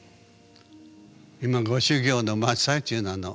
今ご修行の真っ最中なの。